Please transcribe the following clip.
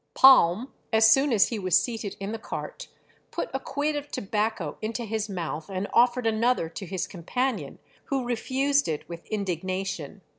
"Palm, as soon as he was seated in the cart, put a quid of tobacco into his mouth, and offered another to his companion, who refused it with indignation....